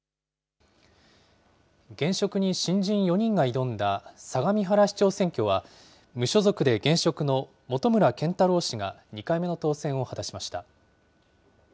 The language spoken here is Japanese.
現職に新人４人が挑んだ相模原市長選挙は無所属で現職の本村賢太郎氏が２回目の当選を果たしました。